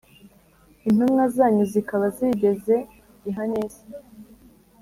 intumwa zanyu zikaba zigeze i Hanesi.